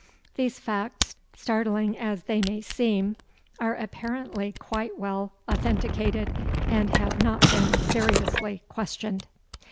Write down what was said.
These facts, startling as they may seem, are apparently quite well authenticated and have not been seriously questioned.